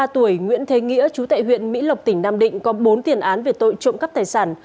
ba mươi tuổi nguyễn thế nghĩa chú tại huyện mỹ lộc tỉnh nam định có bốn tiền án về tội trộm cắp tài sản